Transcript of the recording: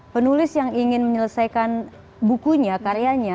penulis yang ingin menyelesaikan bukunya karyanya